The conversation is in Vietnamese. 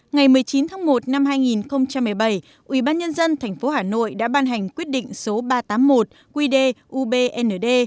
ngày một mươi chín tháng một năm hai nghìn một mươi bảy ubnd tp hà nội đã ban hành quyết định số ba trăm tám mươi một qdubnd